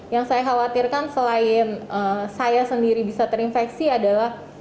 yang saya khawatirkan selain saya sendiri bisa terinfeksi adalah